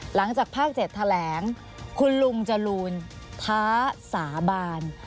หลังจากภาค๗แถลงคุณลุงจรูนท้าสาบาน